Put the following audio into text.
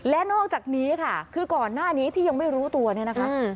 และนอกจากนี้ค่ะคือก่อนหน้านี้ที่ยังไม่รู้ตัวเนี่ยนะคะ